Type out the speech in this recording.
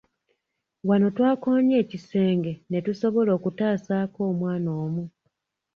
Wano twakoonye ekisenge ne tusobola okutaasaako omwana omu.